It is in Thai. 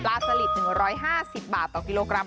สลิด๑๕๐บาทต่อกิโลกรัม